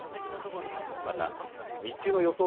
また、日中の予想